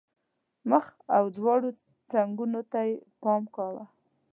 مخ او دواړو څنګونو ته یې پام کاوه.